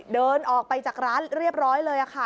เดินออกไปจากร้านเรียบร้อยเลยค่ะ